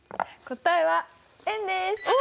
答えは円です。